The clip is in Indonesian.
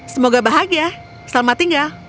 semoga bahagia selamat tinggal